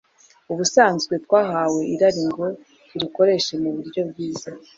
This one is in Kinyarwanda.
Ubusanzwe twahawe irari ngo turikoreshe mu buryo bwiza